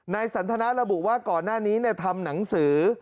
สันทนาระบุว่าก่อนหน้านี้ทำหนังสือ